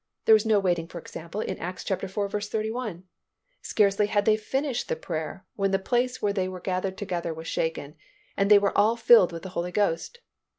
There was no waiting for example in Acts iv. 31; scarcely had they finished the prayer when the place where they were gathered together was shaken and "they were all filled with the Holy Ghost."